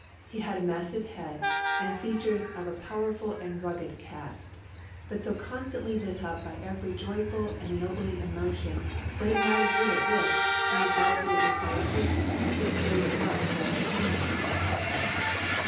He had a massive head, and features of a powerful and rugged cast, but so constantly lit up by every joyful and ennobling emotion that it mattered little if, when absolutely quiescent, his face was rather homely than handsome.